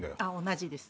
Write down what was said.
同じです。